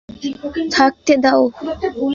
তাকে তার মত থাকতে দাও।